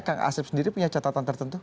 tadi tk arsif sendiri punya catatan tertentu